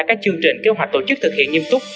các chương trình kế hoạch tổ chức thực hiện nghiêm túc